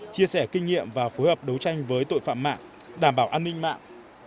chia sẻ kinh nghiệm và phối hợp đấu tranh với tội phạm mạng đảm bảo an ninh mạng